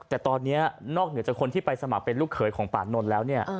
แต่ตอนนี้นอกเหนือจากคนที่ไปสมัครเป็นลูกเขยของป่านนท์แล้วเนี่ย